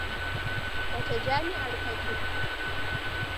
Wace jami'ar ka je?